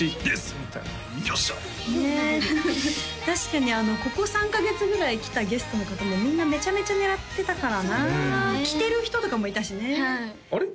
みたいな「よっしゃ！」ねえ確かにここ３カ月ぐらい来たゲストの方もみんなめちゃめちゃ狙ってたからな着てる人とかもいたしねはいあれ？